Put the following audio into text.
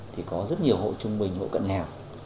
thì có rất nhiều hộ trung bình hộ cận nghèo